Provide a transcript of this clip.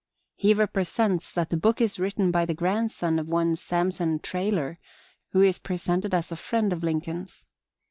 He represents that the book is written by the grandson of one Samson Traylor, who is presented as a friend of Lincoln's.